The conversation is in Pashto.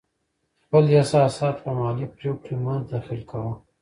خپل احساسات په مالي پرېکړو کې مه دخیل کوه.